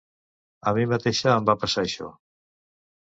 A mi mateixa em va passar això.